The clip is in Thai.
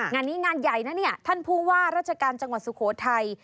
งานนี้งานใหญ่นะเนี่ยท่านผู้ว่าราชการจังหวัดสุโขทัย